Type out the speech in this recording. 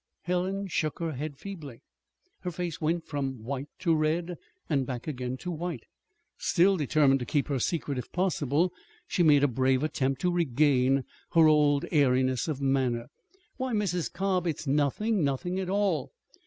Helen shook her head feebly. Her face went from white to red, and back again to white. Still determined to keep her secret if possible, she made a brave attempt to regain her old airiness of manner. "Why, Mrs. Cobb, it's nothing nothing at all!"